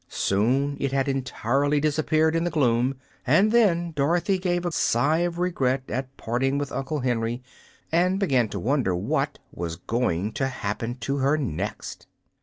Soon it had entirely disappeared in the gloom, and then Dorothy gave a sigh of regret at parting with Uncle Henry and began to wonder what was going to happen to her next.